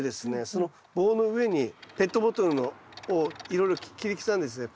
その棒の上にペットボトルをいろいろ切り刻んでですね